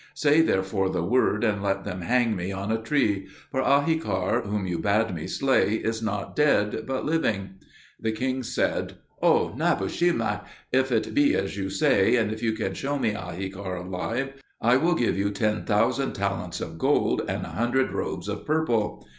Say therefore the word, and let them hang me on a tree; for Ahikar, whom you bade me slay, is not dead, but living!" The king said, "O Nabushemak, if it be as you say, and if you can show me Ahikar alive, I will give you ten thousand talents of gold and a hundred robes of purple.